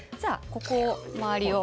ここを周りを。